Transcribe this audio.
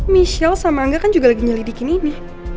michelle sama angga kan juga lagi nyelidikin ini